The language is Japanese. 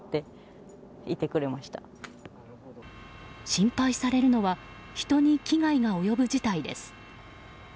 心配されるのは人に危害が及ぶ事態です。